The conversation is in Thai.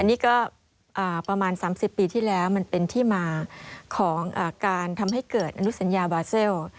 นี่ก็ประมาณ๓๐ปีที่แล้วมันเป็นที่มาของการทำให้เกิดอนุสัญญาบาเซล